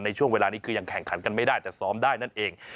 ช่วงเวลานี้คือยังแข่งขันกันไม่ได้แต่ซ้อมได้นั่นเอง